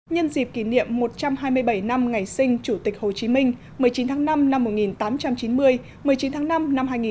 nhân dịp kỷ niệm một trăm hai mươi bảy năm ngày sinh chủ tịch hồ chí minh một mươi chín tháng năm năm một nghìn tám trăm chín mươi một mươi chín tháng năm năm hai nghìn hai mươi